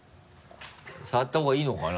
触った方がいいのかな？